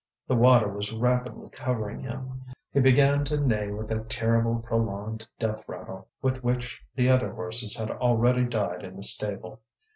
The water was rapidly covering him; he began to neigh with that terrible prolonged death rattle with which the other horses had already died in the stable.